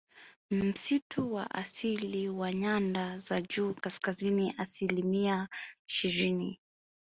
Msitu wa asili wa nyanda za juu kaskazini asilimia ishirini